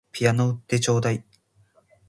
ピアノ売ってちょうだい